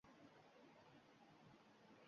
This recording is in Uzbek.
yolg‘iz o‘zi bir ishni eplab bitira olmaydiganlar